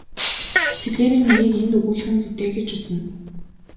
Тэдгээрийн нэгийг энд өгүүлэх нь зүйтэй гэж үзнэ.